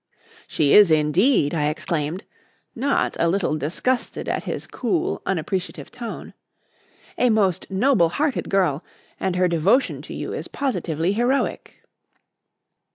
"She is indeed," I exclaimed, not a little disgusted at his cool, unappreciative tone; "a most noble hearted girl, and her devotion to you is positively heroic."